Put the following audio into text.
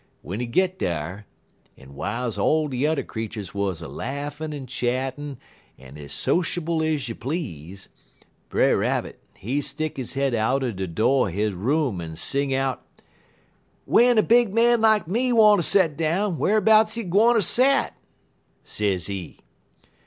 W'en he git dar, en w'iles all de yuther creeturs wuz a laughin' en a chattin' des ez sociable ez you please, Brer Rabbit, he stick he head out er de do' er he room en sing out: "'Wen a big man like me wanter set down, wharbouts he gwine ter set?' sezee.